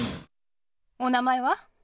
お名前は？